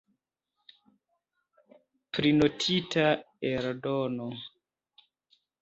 Prinotita eldono.